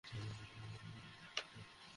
পিসকিপারের তুলনায় তো ওটাকে পিচ্চি লাগছে!